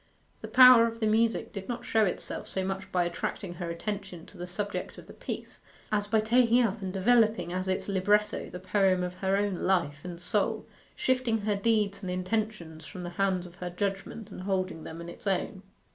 The power of the music did not show itself so much by attracting her attention to the subject of the piece, as by taking up and developing as its libretto the poem of her own life and soul, shifting her deeds and intentions from the hands of her judgment and holding them in its own.